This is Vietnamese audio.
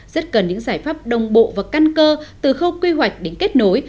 rất cần những giải pháp đồng bộ và căn cơ từ khâu quy hoạch đến kết nối